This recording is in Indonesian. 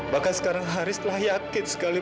bahkan sekarang haris telah yakin sekali